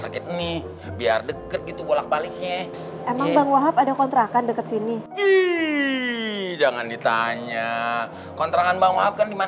assalamu'alaikum bang wahab